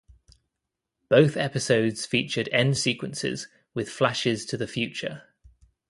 Both episodes featured end sequences with flashes to the future.